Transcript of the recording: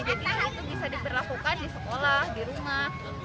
jadi itu bisa diperlakukan di sekolah di rumah